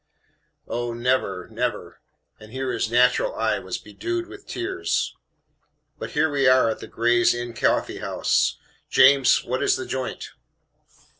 Oh, never, never!" And here his natural eye was bedewed with tears. "But here we are at the 'Gray's Inn CoffeeHouse.' James, what is the joint?"